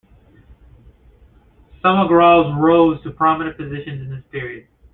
Some Agrawals rose to prominent positions in this period.